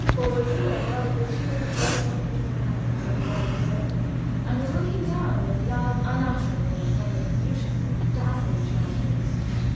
Courvoisier held the two delicate little hands in one of his own, and was looking down with love unutterable upon the beautiful, dazzling child face.